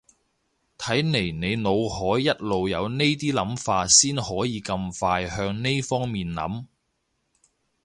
睇嚟你腦海一路有呢啲諗法先可以咁快向呢方面諗